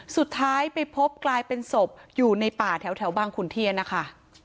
สุดท้ายไปพบกลายเป็นศพอยู่ในป่าแถวบางขุนเทียนนะคะ